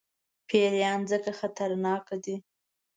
پیران ځکه خطرناک دي.